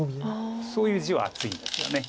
そういう地は厚いんですよね。